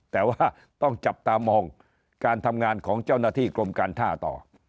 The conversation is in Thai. แต่ว่าต้องจับตามองการทำงานของเจ้าหน้าที่กรมการท่าต่อ